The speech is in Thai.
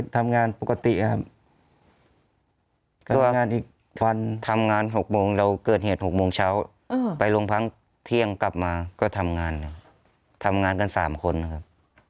ทำงาน๖โมงเราเกิดเหตุ๖โมงเช้าไปรวมทั้งพังเที่ยงกลับมาก็ทำงานทำงานกัน๓คนครับ